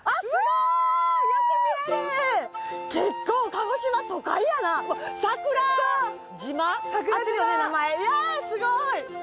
いやすごい！